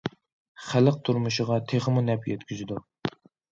خەلق تۇرمۇشىغا تېخىمۇ نەپ يەتكۈزىدۇ.